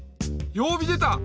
曜日出た！